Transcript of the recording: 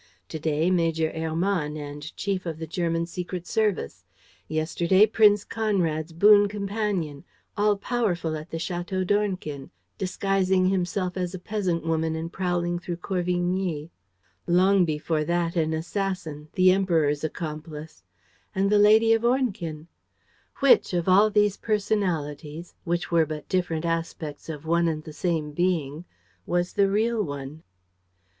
To day, Major Hermann and chief of the German secret service; yesterday, Prince Conrad's boon companion, all powerful at the Château d'Ornequin, disguising himself as a peasant woman and prowling through Corvigny; long before that, an assassin, the Emperor's accomplice ... and the lady of Ornequin: which of all these personalities, which were but different aspects of one and the same being, was the real one?